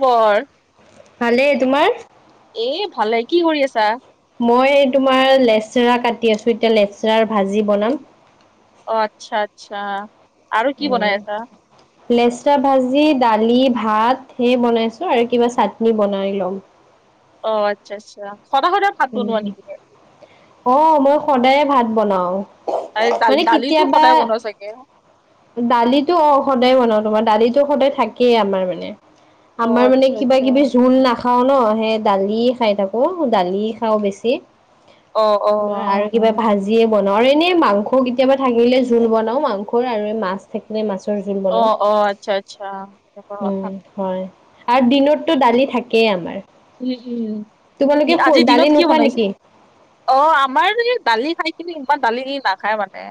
খবৰ ভালেই তোমাৰ। এ ভালে কি কৰি আছা। মই তোমাৰ লেচৰা কাটি আছো এতিয়া লেচৰাৰ ভাজি বনাম। অ আচ্ছা আচ্ছা আৰু কি বনাই আছা। লেচাৰা ভাজি, দালি, ভাত সেই বনাইছো আৰু কিবা চাটনি বনাই লম। অ আচ্ছা আচ্ছা সদায় সদায় ভাত বনোৱা নেকি। অহ মই সদায়ে ভাত বনাওঁ। এই দাল দাল দালিটো সদায় বনোৱা চাগে। দালিতো অ সদায় বনাও তোমাৰ দালিতো সদায় থাকেই আমাৰ মানে। অ আমাৰ মানে আচ্ছা কিবা আচ্ছা কিবি জোল নাখাওঁ ন সেই দালি খাই থাকো দালি খাওঁ বেছি। অ অ তোমাৰ আৰু কিবা ভাজিয়ে বনা আৰু এনে মাংস কেতিয়াবা থাকিলে জোল বনাও মাংসৰ আৰু এই মাছ। থাকিলে মাছৰ জোল অ বনাওঁ অ আচ্ছা আচ্ছা এনেকুৱা কথা উম হয় আৰু দিনতটো দালি থাকেই আমাৰ। উম, তোমালোকে উম আজিৰ দালি দিনত কি নোখোৱা বনাই নেকি? অ আমাৰ এই দালি খাই কিনি ইমান দালি নাখায় মানে।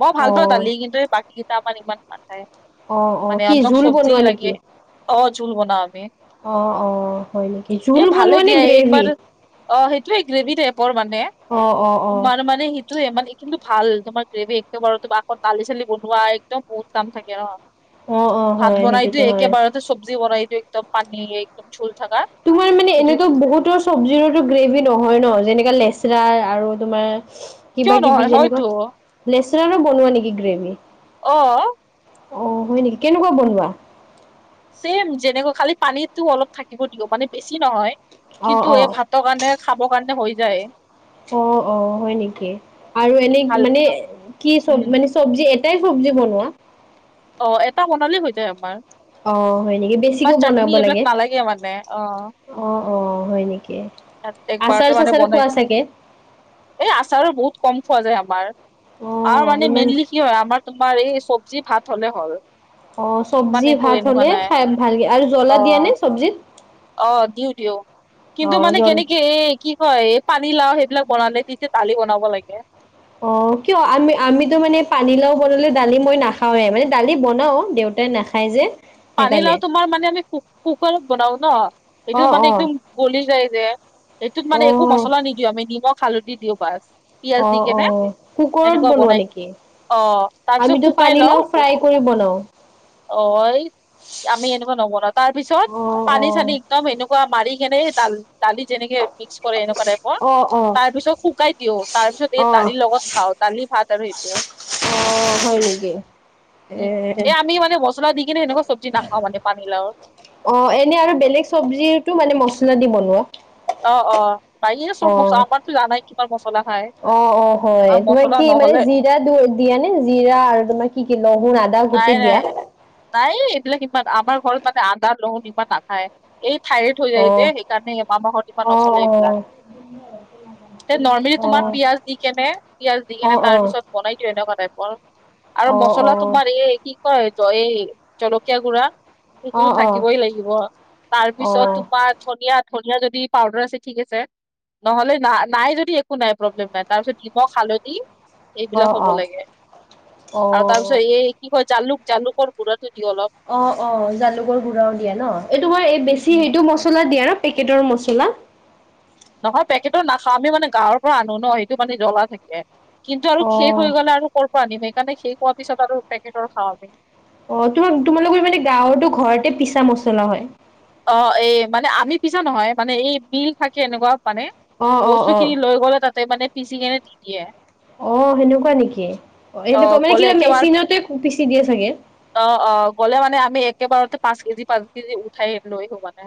মই ভাল পাও অ', দালি কিন্তু এই বাকী কেইটা আমান ইমান নাখায়। অ', অ', মানে কি অহতক জোল চবজি বনোৱা নেকি? লাগে অ, জোল বনাও আমি। অ', অ ', হয় নে কি? জোল এ ভালে বনোৱা দিয়া একবাৰ অ সেইটোয়ে গ্ৰেভি টাইপৰ মানে অ', অ', অ', তোমাৰ মানে সি টোৱে মানে কিন্তু ভাল তোমাৰ গ্ৰেভি একেবাৰুতে আকৌ দালি চালি বনোৱা একদম বহুত কাম থাকে ন। অ', অ', হয় ভাত বনাই সেইটোতো দিওঁ হয়। একেবাৰতে চব্জি বনাই দিওঁ একদম পানী একদম জুল থাকা। তোমাৰ মানে এনেতো বহুতো আছে। চব্জিৰোতো গ্ৰেভি নহয় ন যেনেকা লেচৰা আৰু তোমাৰ কিয় কিবা নহয় কিবি হয়তো যেনেকুৱা লেচেৰাৰো বনোৱা নেকি গ্ৰেভি। অ', অ', হয়, নেকি কেনেকুৱা বনোৱা। চছেম যেনেকা খালি পানীতো অলপ থাকিব। দিব মানে বেছি নহয় অ', কিন্তু এই অ', ভাত কাৰণে খাব কাৰণে হৈ যায়। অ', অ', হয়, নেকি আৰু এনে ভালকে মানে কি চব উম মানে চব্জি এটাই চব্জি বনোৱা। অ, এটা বনালে হৈ যায় আমাৰ। অ', হয় নেকি ইমান বেছিকেও চাটনি বনাব এইবিলাক লাগে? নালাগে মানে অ, অ', অ', হয়, নেকি। এক আচাৰ বাৰটা মানে চাচাৰ খোৱা বনাই দি চাগে? এই আচাৰো বহুত কম খোৱা যায়। আমাৰ আৰু অ', মানে ইমান মেইনলি কি হয়, আমাৰ তোমাৰ এই চব্জি ভাত হ'লে হ'ল। অ, ইমান চব্জি একো ভাত এনেকুৱা হলে নাই খাই ভালকে আৰু জ্বলা অ দিয়া নে চব্জিত। অ, দিও-দিও কিন্তু অ', মানে জল কেনেকে এ কি কয়, এই পানী লাও সেইবিলাক বন নে তেতিয়া দালি বনাব লাগে। অ, কিয় আমি আমিতো মানে পানীলাও বনালে দালি মই নাখাওৱে মানে দালি বনাও দেউতা। তাই নাখায় যে। সেইকাৰণে পানীলাও তোমাৰ মানে আমি কুকাৰত বনাও ন এইটো অ', মানে অ', একদম গলি যায় যে সেইটোত মানে একো অ'। মছলা নিদিও আমি নিমখ, হালধি দিও বাছ। পিয়াজ দি অ', কেনে অ', কুকাৰত এনেকুৱা বনোৱা বনাই কি নেকি? অ, তাৰপিছত আমিতো শুকাই লও পানীলাও ফ্ৰাই বস্তু কৰি বনাও। অ, আমি এনেকুৱা নবনা তাৰ পিছত অ', পানী চানী অ', একদম এনেকুৱা মাৰি কেনে ডাল দালি যেনেকে মিক্স কৰে এনেকুৱা টাইপৰ অ', অ', তাৰ পিছত শুকাই দিও তাৰ অ', পিছত এই অ', দালিৰ লগত খাও দালি ভাত আৰু সেইটোও। অ, হয়, নেকি এ মচলা দি কিনে চবজিনাখাও মান পানীলাও। অ, এনে আৰু বেলেগ চব্জিো মানে মছলা দি বনোৱা। অ', অ', নাইে চব মছলা অ', আমাৰতো জ নাই কিমান মছলা খাই। অ', অ ', হয় তোমাৰ কি মানে জিৰা দিয়া নে জিৰা আৰু তোমাৰ কি-কি নহৰু আ নাই-নাই-নাই এইবিলাক ইমান আমাৰ ঘৰত মানে আদা, নহৰু ইমান নাখায়। এই থাৰেড হৈ যায় যে অ', সেইকাৰণে এমাহ মাহত ইমান অ', নচলে। এইবিলাক অ', নৰ্মেলি তোমাক অ', পিয়াজ দি কেনে, পিয়াজ দি কেনে অ', অ', তাৰ অ', পিছত বনাই দিও এনেকুৱা টাইপৰ আৰু অ', অ', মছলা তোমাৰ এই কি কয় ত‌ই এই জলকীয়া গুড়া সেইটোতো অ', অ', থাকিবই লাগিব তাৰপিছত তোমাৰ ধনিয়া-ধনিয়া যদি পাউদাৰ আছে ঠিক আছে। নহলে না- নাই যদি একো নাই প্ৰব্লেম নাই তাৰপিছত নিমখ, হালধি এইবিলাক অ', হ'ব লাগে অ', আৰু তাৰপিছত অ', এই কি কয় জালুক-জালুকৰ গুড়াটো দিও অলপ। অ-অ জালুকৰ গুড়াও দিয়া ন, এই তোমাৰ এই বেছি উম, সেইটো মছলা দিয়া ন। পেকেটৰ মছলা। নহয় পেকেটৰ নাখাওঁ আমি মানে গাঁৱৰ পৰা আনো ন সেইটো মানে জ্বলা থাকে। কিন্তু আৰু অ শেষ হৈ গ'লে আৰু ক'ৰ পৰা আনিম সেইকাৰণে শেষ হোৱাৰ পিছত আৰু পেকেটৰ খাওঁ আমি। অ তোমাৰ তোমালোকৰ মানে গাঁৱৰতো ঘৰতে পিছা মছলা হয়? অ, এ মানে আমি পিছা নহয় মানে এই বিল থাকে এনেকুৱা মানে। অ অ অ বস্তুখিনি লৈ গ'লে তাতে মানে পিচি কেনে দি দিয়ে। অ, সেনেকুৱা নেকি অ, মানে গ'লে কিবা একেবাৰ মেচিনতে পিচি দিয়ে চাগে? অ', অ', গ'লে মানে আমি একেবাৰতে পাঁচ কেজি-পাঁচ কেজি উঠাই লৈ আহো মানে।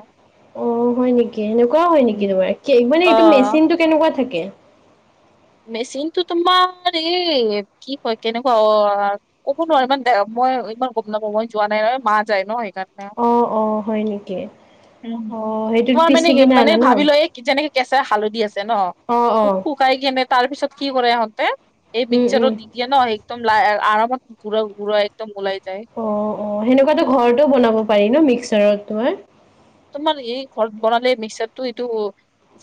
অ, হয় নেকি সেনেকুৱাও হয় নেকি উম। তোমাৰ মানে অ এইটো মেচিনটো কেনেকুৱা থাকে? মেচিনটো তোমাৰ এই কি কয় কেনেকুৱা অ। ক'ব নোৱাৰি ইমান দে মই ইমান গম নাপাওঁ মই যোৱা নাই নহয় মা যায় ন। সেইকাৰণে অ-অ হয় নেকি। উম, অ সেইটোত তোমাৰ পিচি কিনে মানে-মানে আনা ন ভাবি ল এই যেনেকে কেঁচা হালধি আছে ন অ অ খু খু - শুকাই কিনে তাৰ পিছত কি কৰে সিহঁতে এই উম উম মিক্সাৰত দি - দিয়ে ন একদম আৰামত ঘুৰা-ঘুৰা একদম ওলাই যায়। অ-অ সেনেকুৱাতো ঘৰতো বনাব পাৰি ন মিক্সাৰত তোমাৰ। তোমাৰ এই ঘৰত বনালে মিক্সাৰটো এইটো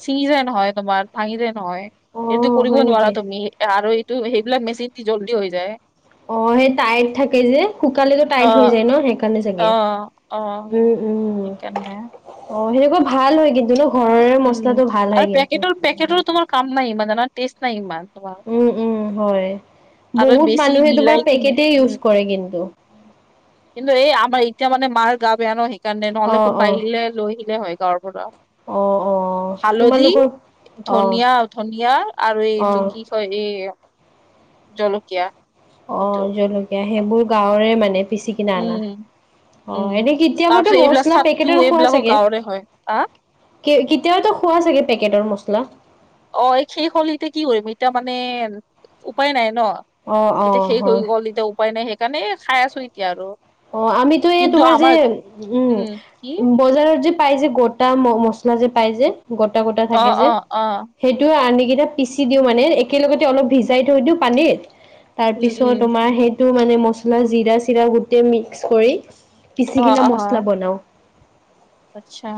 ছিঙি যায় নহয় তোমাৰ ভাঙি যায় নহয়। অ সেইটো কৰিব হয় নেকি নোৱাৰা তুমি আৰু এইটো সেইবিলাক মেচিন জল্দি হৈ যায়। অ সেই টাইট থাকে যে, শুকালেতো অ টাইট হৈ যায় ন সেইকাৰণে চাগে উম উম কেনে অ সেনেকুৱা ভাল হয় কিন্তু ন ঘৰৰে উম মছলাটো ভাল আৰু হয় কিন্তু। পেকেটৰ পেকেটৰ তোমাৰ কাম নাই ইমান টেষ্ট নাই ইমান। তোমাৰ উম-উম হয় আৰু বহুত বেছি মানুহে তোমাৰ মিলাই কিনে পেকেটে উম ইউজ কৰে কিন্তু। কিন্তু এই আমাৰ এতিয়া মানে মাৰ গা বেয়া ন সেইকাৰণে অ নহলে অ কোনোবা আহিলে লৈ আহিলে হয়। তাৰপৰা অ, অ, হালধি, তোমালোকৰ অ ধনিয়া ধনিয়া আৰু অ এইটো কি- কয় ই জলকীয়া- সেইটো অঁ, জলকীয়া সেইবোৰ গাঁৱৰে মানে পিচি- কিনা আনা, উম উম, অঁ এনেই তাৰ পিছত কেতিয়াবাতো এইবিলাক মছলা চাটটো পেকেটৰ খোৱা এইবিলাকো চাগে? গাঁৱৰে হয়। আহ কেতিয়াবাটো খোৱা চাগে পেকেটৰ মছলা? অ শেষ হল এতিয়া কি কৰিম এতিয়া মানে উপায় নাই ন। অ অ এতিয়া শেষ হৈ হয় গ'ল এতিয়া উপায় নাই সেইকাৰণে খাই আছো এতিয়া আৰু। অ আমিতো এই কিন্তু তোমাৰ যে আমাৰ উম বজাৰত যে পাই যে গোটা ম-মচলা যে পাই যে গোটা-গোটা অ থাকে অ যে। অ সেইটো আনি কিনি পিচি দিওঁ মানে একেলগতে অলপ ভিজাই থৈ দিওঁ পানীত। উম তাৰপিছত উম তোমাৰ সেইটো মানে মছলা জিৰা-চিৰা গোটেই মিক্স কৰি। পিচি অ কিনে অ মছলা বনাও। আচ্ছা।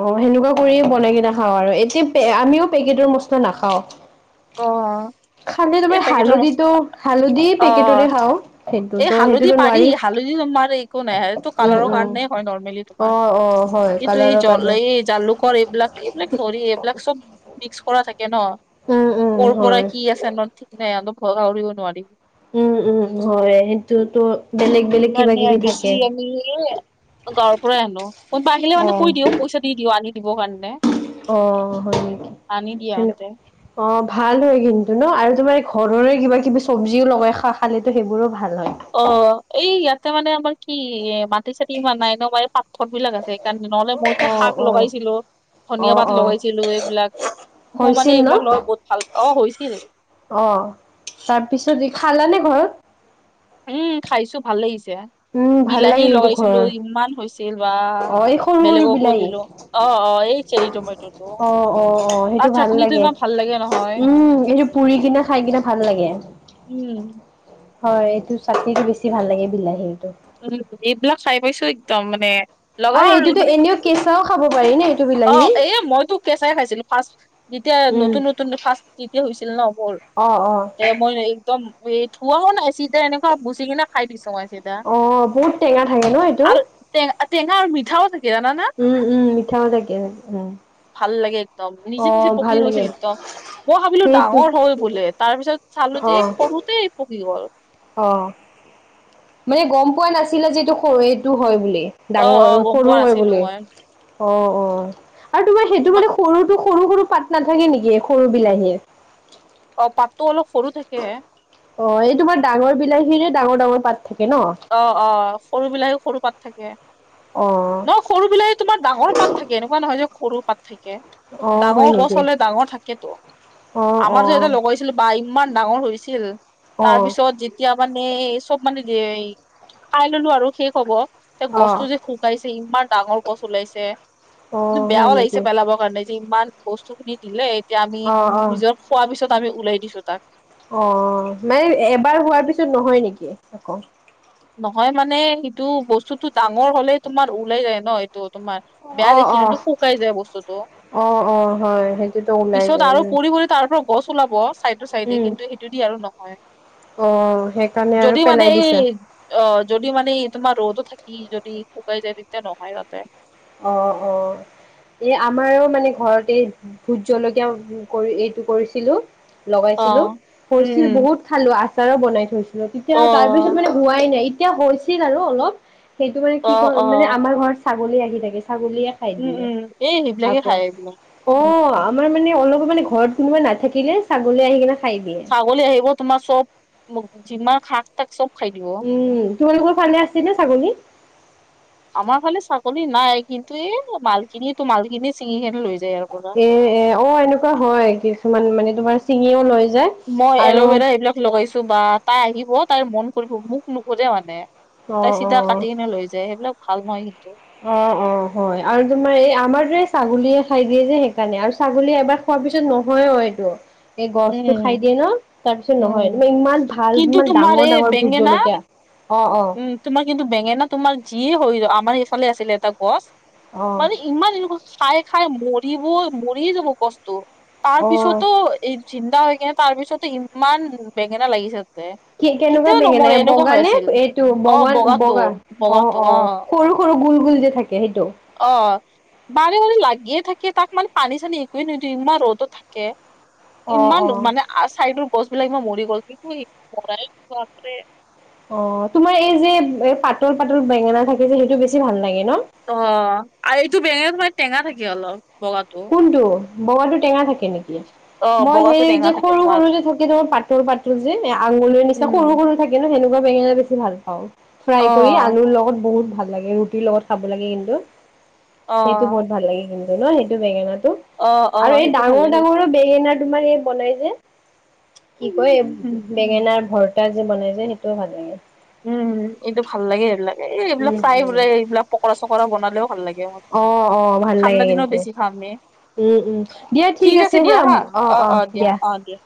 অ, সেনেকুৱা কৰিয়ে বনাই কিনে খাও আৰু এতিয়া আমিও পেকেটৰ মচলা নাখাওঁ। অ' খালে এই তোমাৰ পেকেটৰ মচ হালধিতো হালধি অ পেকেটৰে খাওঁ, সেইটো এই ত হালধি সেইটোতো পাৰি নোৱাৰিম। তোমাৰ একো নাই এইটো কালাৰৰ কাৰণে হয় নৰ্মেলি অ তোমাৰ, অ হয় কিন্তু এই কালাৰৰ জল কাৰণে এই- জালুকৰ এইবিলাক এইবিলাক নোৱৰি এইবিলাক চব মিক্স কৰা থাকে ন। উম উম কৰ হয় পৰাই কি আছে ন ঠিক নাই ভয়াৰিও নোৱাৰি। উম, উম, হয় সেইটোতো বেলেগ বেলেগ কিবা সেইকাৰণে কিবি বেছি থাকে। আমি গাঁৱৰ পৰাই আনো কোনোবা আহিলে মানে কৈ দিও পইচা দি দিও আনি দিবৰ কাৰণে। অ', হয় নেকি। আনি দিয়ে সেনে- আহোঁতে অ, ভাল হয় কিন্তু ন আৰু তোমাৰ ঘৰৰে কিবা-কিবি চব্জিও লগাই খা-খালেতো, সেইবোৰো ভাল হয়। অ, এই ইয়াতে মানে আমাৰ কি এ মাটি-চাতি হোৱা নাই ন মই এই পাথৰ বিলাক আছে সেইকাৰণে, নহ'লে মইতো অ শাক অ লগাইছিলোঁ, অ ধনিয়া পাত অ লগাইছিলোঁ এইবিলাক। মই মানে হৈছিল ন এইবিলাক লৈ বহুত ভাল পাওঁ। অ, হৈছিল। অ, তাৰপিছত ই খালানে ঘৰত? উম, খাইছো ভাল লাগিছে। উম ভাল বিলাহী লাগে কিন্তু লগাইছিলো ঘৰৰ ইমান হৈছিল বা অ এই সৰু সৰু বেলেগকো বিলাহী দিলো। অ, অ, এই চেৰি টমেটৰটো অ অ অ তাৰ সেইটো ভাল চাটনিটো লাগে ইমান ভাল লাগে নহয়। উম এইটো পুৰি কিনে খাই কিনে ভাল লাগে। উম। হয়। এইটো চাটনিটো বেছি ভাল লাগে, বিলাহীটো। উম' এইবিলাক চাই পাইছো একদম মানে লগা আৰু এইটোতো মানে এনেও কেঁচাও খাব পাৰি নে অ, এ মইতো কেঁচাই খাইছিলো ফাৰ্ষ্ট। যেতিয়া উম। নতুন-নতুন ফাৰ্ষ্ট, যেতিয়া হৈছিল ন মোৰ, অ', অ', তে মই একদম এ ধুৱাও নাই, চিধা এনেকুৱা মুচি কিনে খাই দিছো মই। চিধা। অ, বহুত টেঙা থাকে ন এইটো। টেঙা-টেঙা আৰু মিঠাও থাকে জানানে। উম-উম, মিঠাও থাকে। উম' ভাল লাগে একদম, নিজে-নিজে অ', পকি ভাল গৈছিল লাগে একদম। মই ভাবিলোঁ সেইটো ডাঙৰ হ'ল বোলে, তাৰ পিছত চালোঁ যে অ', সৰুতে পকি গ'ল। অ, মই গম পোৱা নাছিলোঁ যে, এইটো সৰু এইটো হয় বুলি। অ', ডাঙৰ অ', গম সৰু পোৱা হয় নাছিলো বুলি। মই অ-অ, আৰু তোমাৰ সেই [unintelligible] তোমাৰ সৰুতো সৰু-সৰু পাত নাথাকে নেকি, সৰু বিলাহীৰ। অ, পাততো অলপ সৰু থাকে। অ, এই তোমাৰ ডাঙৰ বিলাহীৰে ডাঙৰ- ডাঙৰ পাত থাকে ন। অ-অ, সৰু বিলাহীৰো সৰু পাত থাকে। অ'। ন সৰু বিলাহী তোমাৰ ডাঙৰ পাত থাকে। এনেকুৱা নহয় যে সৰু পাত থাকে। অ', হয় ডাঙৰ গছ নেকি? হ'লে, ডাঙৰ থাকেতো। আমাৰ যে এটা অ', লগাইছিলোঁ, বা ইমান ডাঙৰ হৈছিল। অ', তাৰপিছত যেতিয়া এতিয়া মানে, চব মানে যে খাই ললোঁ আৰু শেষ হ'ব। যে গছটো অ', যে শুকাইছে, ইমান ডাঙৰ গছ ওলাইছে। কিন্তু অ', হয় বেয়াও নেকি? লাগিছে পেলাব। হোৱা নাই যে ইমান বস্তু খিনি দিলে, এতিয়া আমি অ', অ', নিজৰ খোৱাৰ পিছত আমি উলাই দিছো তাক। অ', মানে এবাৰ হোৱাৰ পিছত, নহয় নেকি আকৌ। নহয় মানে সেইটো বস্তুতো ডাঙৰ হ'লেই তোমাৰ ওলাই যায় ন, এইটো তোমাৰ বেয়া অ', দেখি ন, তো অ', শুকাই যায় বস্তুতো। অ', অ', হয় [unintelligible] সেইটোতো ওলাই পিছত যায় আৰু উম, পৰি-পৰি তাৰ পৰা গছ ওলাব, চাইডৰ চাইডে উম, কিন্তু সেইটো দি আৰু ন [unintelligible] হয়। অ, সেইকাৰণে আৰু পেলাই এই দিছা। অ, যদি মানে ই তোমাৰ ৰ'দো থাকি যদি শুকাই যায়, তেতিয়া নহয় তাতে। অ-অ। এই আমাৰো মানে ঘৰতে ভোট জলকীয়া কৰি, এইটো কৰিছিলোঁ। অ লগাইছিলোঁ। হৈছিল বহুত খালি আচাৰো বনাই থৈছিলোঁ। তেতিয়া অ তাৰপিছত মানে হোৱাই নাই, এতিয়া হৈছিল আৰু অলপ। সেইটো মানে কি কয় অ মানে আমাৰ ঘৰত ছাগলী আহি থাকে। ছাগলীয়ে খাই উম দিলে উম এই সেইবিলাকে আকৌ। খাই এইবিলাক উম অ' আমাৰ মানে অলপো মানে ঘৰত কোনোবা নাথাকিলে, ছাগলী আহি কিনে খাই দিয়ে। ছাগলী আহিব। তোমাৰ চব, যিমান শাক-চাক চব [unintelligible] উম' তোমালোকৰ ফালে আছে নে ছাগলী? [inaudible] আমাৰ ফালে ছাগলী নাই, কিন্তু এই মালখিনি-মালখিনি চিঙি কেনে লৈ যায় ইয়াৰ পৰা। [unintelligible] এ-এ অ, এনেকুৱা হয় কিছুমান মানে তোমাৰ ছিঙিও লৈ যায়। মই আৰু এলভেৰা এইবিলাক লগাইছো বা তাই আহিব তাইৰ মন কৰিব মোক নুখোজে মানে। অ', তাই চিধা অ'। কাটি কিনে লৈ যায় সেইবিলাক ভাল নহয় কিন্তু। অ', অ', হয় আৰু তোমাৰ এই আমাৰ দৰে ছাগলীয়ে খাই দিয়ে যে সেইকাৰণে আৰু ছাগলীয়ে এবাৰ খোৱাৰ পিছত নহয় অ, এইটো। এই গছটো খাই উম দিয়ে ন, তাৰ পিছত নহয় উম। মানে ইমান ভাল কিন্তু ইমান তোমাৰ ডাঙৰ- এই ডাঙৰ ভোট বেঙেনা জলকীয়া। অ', অ', উম তোমাৰ কিন্তু বেঙেনা তোমাৰ যিয়ে হৈ [unintelligible] আমাৰ সফালে আছিলে এটা গছ। অ', মানে ইমান এনেকোৱা খাই- খাই মৰিবই মৰিয়ে যাব গছটো তাৰ অ', পিছতো এই জিন্দা হৈ কিনে তাৰ পিছতে ইমান বেঙেনা লাগিছে। তাতে। কে -কেনেকুৱা কেতিয়াও বেঙেনা নমৰে এ এনেকুৱা হৈ বগানে আছিল। এইটো অ বগান বগাটো বগা অ', বগাটো অ', সৰু সৰু গুল -গুল যে থাকে সেইটো? অ, বাৰে -বাৰে লাগিয়ে থাকে তাক মানে পানী চানী একোৱে নিদো ইমান ৰ'দত থাক কে অ', ইমান অ', মানা আৰু চাইডৰ গছবিলাক [unintelligible] মৰি গ'ল কিন্তু সেইটো মৰাই নাই বাপৰে। অ, তোমাৰ এই যে এ পাতল- পাতল বেঙেনা থাকে যে সেইটো বেছি ভাল লাগে ন? অ, আৰু এইটো বেঙেনাটো মানে টেঙা থাকে অলপ বগাটো। কোনটো বগাটো টেঙা থাকে নেক কি অ মই বগাটো সেই টেঙা যে থাকে সৰু- তোমাৰ সৰু যে থাকি ধৰা পাতৰ- পাতৰ যে আঙুলৰে নিচনা উম সৰু- সৰু থাকে ন, সেনেকুৱা বেঙেনা বেছি ভাল পাওঁ অ ফ্ৰাই কৰি আলুৰ লগত বহুত ভাল লাগে ৰু ৰুটিৰ লগত খাব লাগে কিন্তু অ সেইটো বহুত ভাল লাগে কিন্তু ন, সেইটো বেঙেনাটো। অ অ আৰু এই সেইটো ভাল ডাঙৰ লাগে -ডাঙৰো বেঙেনা তোমাৰ এই বনাই যে। কি কয় উম বেঙেনাৰ ভৰ্তা যে বনাই যে সেইটোও ভাল লাগে। উম- উম এইটো ভাল লাগে সেইবিলাকে এইবিলাক উম উম। [unintelligible] এইবিলাক পকৰা চকৰা বনালেও ভাল লাগে। অ অ ভাল ঠাণ্ডা লাগে দিনো কিন্তু বেছি খামে। ঠিক আছে দিয়া হা, অ', অ', দিয়া অ, দিয়া।